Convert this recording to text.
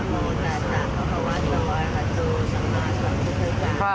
ข้าแท่สิ่งศักดิ์สิทธิ์ทั้งหลาย